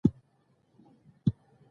ته پر ما ګران یې